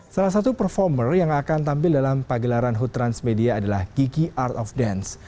salah satu performer yang akan tampil dalam pagelaran hood transmedia adalah kiki art of dance